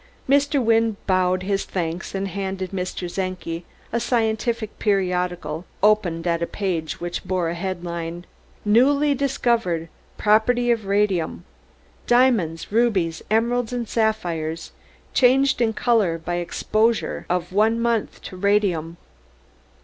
Mr. Wynne bowed his thanks, and handed to Mr. Czenki a scientific periodical opened at a page which bore a head line: Newly Discovered Property of Radium. Diamonds, Rubies, Emeralds and Sapphires Changed in Color by Exposure of One Month to Radium.